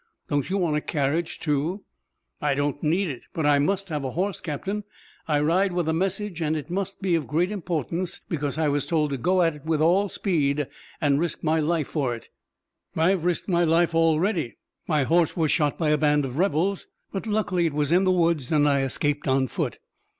Don't you want a carriage too?" "I don't need it. But I must have a horse, Captain. I ride with a message and it must be of great importance because I was told to go with it at all speed and risk my life for it. I've risked my life already. My horse was shot by a band of rebels, but luckily it was in the woods and I escaped on foot."